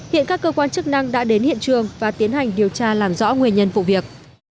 hiện các cơ quan chức năng đã đến hiện trường và tiến hành điều tra làm rõ nguyên nhân vụ việc